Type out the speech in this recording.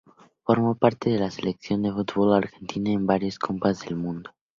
Formó parte de la Selección de fútbol de Argentina en varias Copas del Mundo.